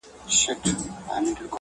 • بوراګلي تر انګاره چي رانه سې -